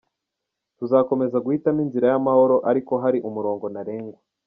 Tuzakomeza guhitamo inzira y’amahoro ariko hari umurongo ntarengwa.